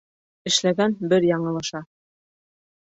Эшләгән бер яңылыша